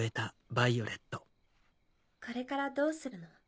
これからどうするの？